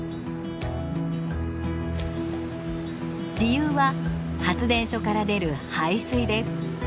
理由は発電所から出る排水です。